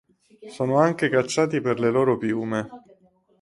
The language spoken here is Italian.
Sono anche cacciati per le loro piume.